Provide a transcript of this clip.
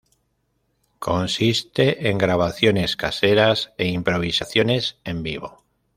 Consiste en grabaciones caseras e improvisaciones en vivo.